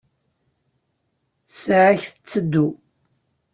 Ssaɛa-k tteddu.